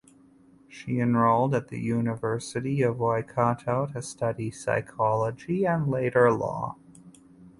She enrolled at the University of Waikato to study psychology and later law.